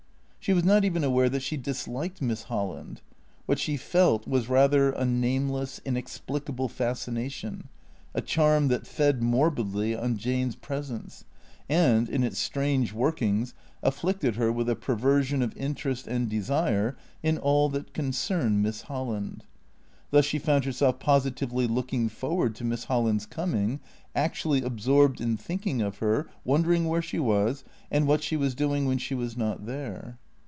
She was not even aware that she disliked Miss Holland. What she felt was rather a nameless, inexplicable fascination, a charm that fed morbidly on Jane's presence, and, in its strange work ings, afflicted her with a perversion of interest and desire in all that concerned Miss Holland. Thus she found herself positively looking forward to Miss Holland's coming, actually absorbed in thinking of her, wondering where she was, and what she was doing wlien she was not there.